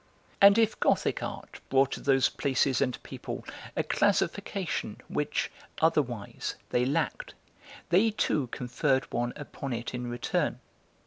And if gothic art brought to those places and people a classification which, otherwise, they lacked, they too conferred one upon it in return.